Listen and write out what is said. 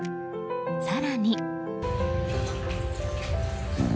更に。